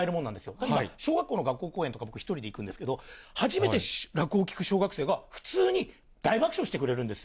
だから小学校の学校公演でも１人で行くんですけど、初めて落語を聞く小学生が、普通に大爆笑してくれるんです。